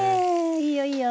いいよいいよ。